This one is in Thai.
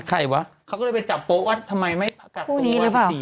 เขาก็เลยไปจับโป๊ะว่าทำไมไม่กัดตัว๑๐สี่วาน